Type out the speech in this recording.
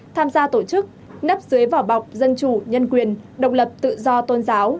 tham gia tổ chức nấp dưới vỏ bọc dân chủ nhân quyền động lập tự do tôn giáo